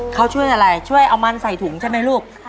เขาช่วยอะไรช่วยเอามันใส่ถุงใช่ไหมลูก